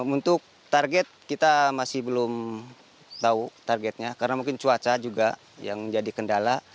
untuk target kita masih belum tahu targetnya karena mungkin cuaca juga yang menjadi kendala